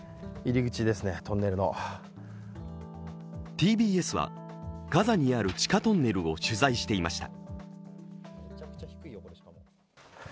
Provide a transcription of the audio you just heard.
ＴＢＳは、ガザにある地下トンネルを取材していました。